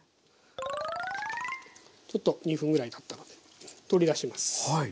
ちょっと２分ぐらいたったので取り出します。